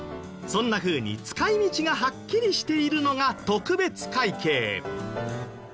そんなふうに使い道がはっきりしているのが特別会計。